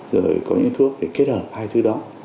rồi có những thuốc để kết hợp hai thứ đó